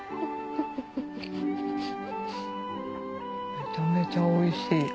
めちゃめちゃおいしい。